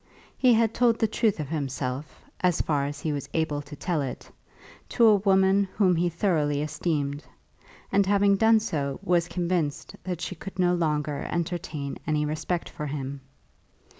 He had told the truth of himself, as far as he was able to tell it, to a woman whom he thoroughly esteemed, and having done so was convinced that she could no longer entertain any respect for him.